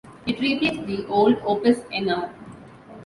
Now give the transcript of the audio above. It replaced the old opus nr.